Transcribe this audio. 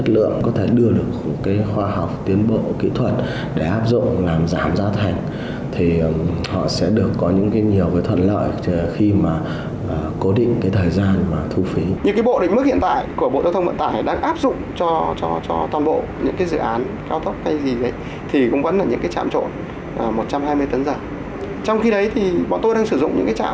trong khi đấy thì bọn tôi đang sử dụng những cái chạm đến hai trăm linh tấn giờ một trăm sáu mươi tấn giờ